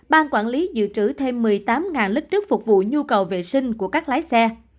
ban quản lý dự trữ thêm một mươi tám lít nước phục vụ nhu cầu vệ sinh của các lái xe